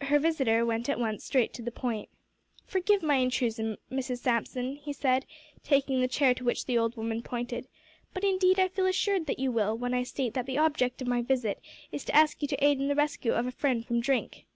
Her visitor went at once straight to the point. "Forgive my intrusion, Mrs Samson," he said, taking the chair to which the old woman pointed, "but, indeed, I feel assured that you will, when I state that the object of my visit is to ask you to aid in the rescue of a friend from drink."